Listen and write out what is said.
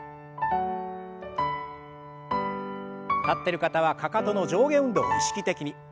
立ってる方はかかとの上下運動を意識的に。